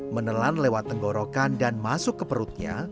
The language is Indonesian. menelan lewat tenggorokan dan masuk ke perutnya